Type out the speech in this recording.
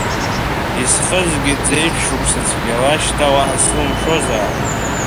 Исхызгеит зеижә шықәса цәгьала шьҭа уаҳа сылымшозаап.